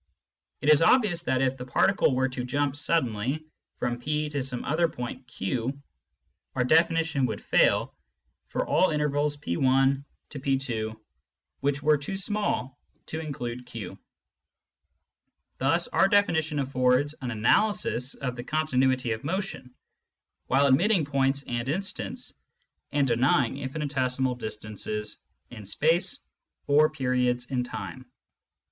It is obvious that if the particle were to jump suddenly from P to some other point Q, our definition would fail for all intervals P^ P, which were too small to include Q. Thus our definition aflFords an analysis of the continuity of motion, while admitting points and instants and denying infinitesimal distances in space or periods in time.